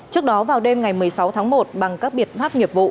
trước đó vào đêm ngày một mươi sáu tháng một bằng các biện pháp nghiệp vụ